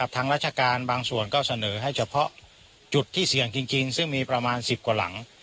ทางราชการบางส่วนก็เสนอให้เฉพาะจุดที่เสี่ยงจริงซึ่งมีประมาณ๑๐กว่าหลัง